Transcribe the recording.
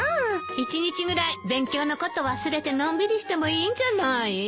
一日ぐらい勉強のこと忘れてのんびりしてもいいんじゃない？